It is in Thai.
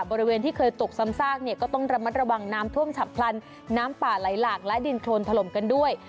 บริเวณที่เคยตกซ้ำซากเนี่ยก็ต้องระมัดระวังน้ำท่วมฉับพลันน้ำป่าไหลหลากและดินโครนถล่มกันด้วย